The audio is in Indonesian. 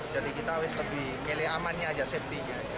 jadi kita always lebih milih amannya aja safety nya aja